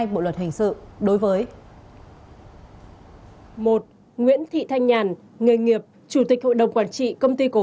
bộ luật hình sự đối với